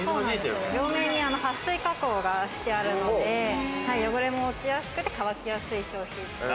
両面にはっ水加工がしてあるので、汚れも落ちやすくて乾きやすい商品。